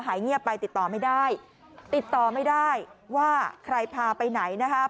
เงียบไปติดต่อไม่ได้ติดต่อไม่ได้ว่าใครพาไปไหนนะครับ